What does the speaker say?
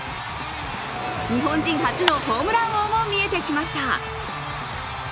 日本人初のホームラン王も見えてきました。